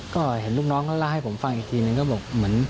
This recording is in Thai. ก็เห็นลูกน้องเล่าให้ผมฟังอีกทีหนึ่งก็บอก